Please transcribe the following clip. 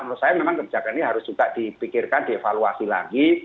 menurut saya memang kebijakan ini harus juga dipikirkan dievaluasi lagi